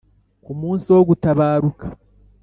Ku munsi wo gutabaruka